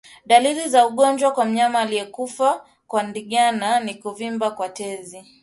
Dalili za ugonjwa kwa mnyama aliyekufa kwa ndigana ni kuvimba kwa tezi